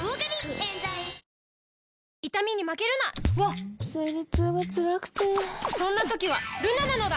わっ生理痛がつらくてそんな時はルナなのだ！